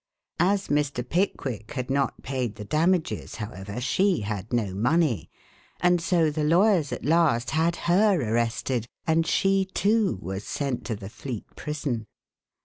As Mr. Pickwick had not paid the damages, however, she had no money, and so the lawyers at last had her arrested, and she, too, was sent to the Fleet Prison.